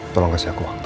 tolong kasih aku waktu